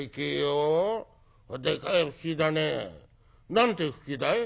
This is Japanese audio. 何ていうふきだい？」。